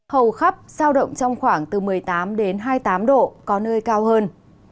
hầu khắp giao động trong khoảng từ một mươi tám hai mươi tám độ có nơi cao hơn